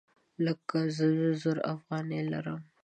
لکه زه زر افغانۍ لرم